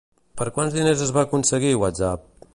Per quants diners es va aconseguir WhatsApp?